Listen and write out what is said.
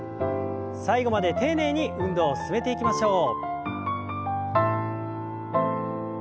最後まで丁寧に運動を進めていきましょう。